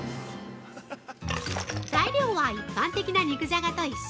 材料は一般的な肉じゃがと一緒。